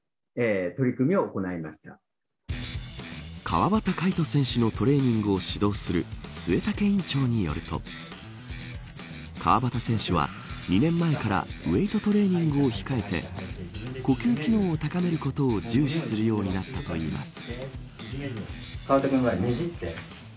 川端魁人選手のトレーニングを指導する末武院長によると川端選手は２年前からウェートトレーニングを控えて呼吸機能を高めることを重視するようになったといいます。